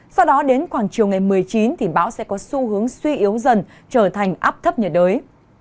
sau đó đến khoảng chiều ngày một mươi chín thì bão sẽ có xu hướng suy yếu dần trở thành áp thấp nhiệt đới